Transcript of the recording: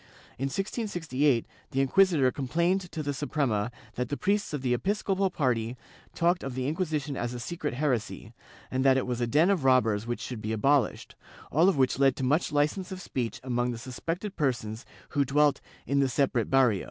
In 1668 the inquisitor complained to the Suprema that the priests of the episcopal party talked of the Inquisition as a secret heresy, and that it was a den of robbers which should be abolished, all of which led to much licence of speech among the suspected persons who dwelt "in the separate barrio."